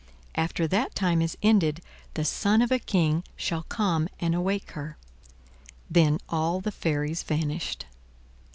After that time is ended, the son of a King shall come and awake her." Then all the fairies vanished.